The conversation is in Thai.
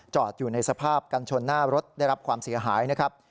อยู่ในสภาพกันชนหน้ารถได้รับความเสียหายนะครับ